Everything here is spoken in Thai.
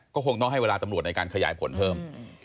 ก็คงต้องให้เวลาตำรวจในการขยายผลเพิ่ม